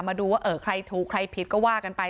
มาดูว่าใครถูกใครผิดก็ว่ากันไป